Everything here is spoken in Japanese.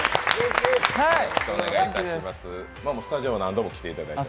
スタジオ何度も来ていただいて。